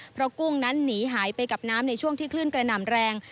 เพราะกุ้งนั้นหนีหายไปกับน้ำในช่วงที่คลื่นกระหน่ำแรง